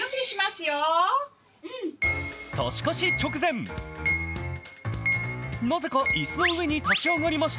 年越し直前なぜか椅子の上に立ち上がりました。